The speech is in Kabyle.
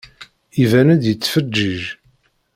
Iban-d yettfeǧǧiǧ.